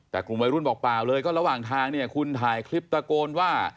แต่กลุ่มวัยรุ่นบอกเปล่าเลยก็ระหว่างทางเนี่ยคุณถ่ายคลิปตะโกนว่า